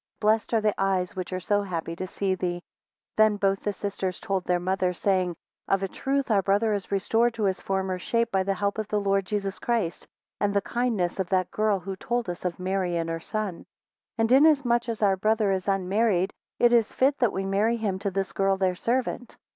Blessed are the eyes which are so happy to see thee. 28 Then both the sisters told their mother, saying, Of a truth, our brother is restored to his former shape by the help of the Lord Jesus Christ, and the kindness of that girl who told us of Mary and her son. 29 And inasmuch as our brother is unmarried, it is fit that we marry him to this girl their servant.